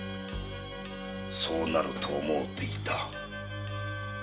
そうなると思うていた。